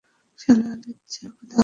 শালা লুইচ্চা কোথাকার!